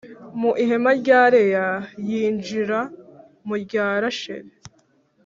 Mu ihema rya leya yinjira mu rya rasheli